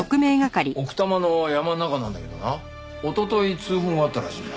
奥多摩の山ん中なんだけどな一昨日通報があったらしいんだ。